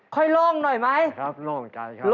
ค่อยโล่งหน่อยไหมครับโล่งนะครับครับโล่งใจครับ